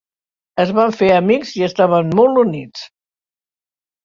Es van fer amics i estaven molt units.